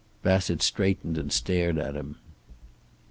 Bassett straightened and stared at him.